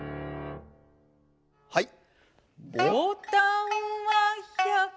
はい。